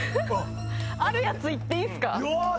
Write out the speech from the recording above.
あるやついっていいっすか。